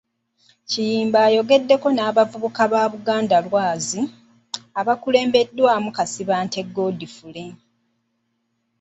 Kiyimba ayogedeko n'abavubuka ba Buganda Lwazi, abakulembeddwamu Kasibante Godfrey.